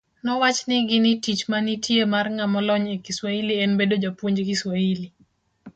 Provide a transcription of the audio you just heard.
Nowachnigi ni tich manitie mar ng'amolony e Kiswahili en bedo japuonj Kiswahili.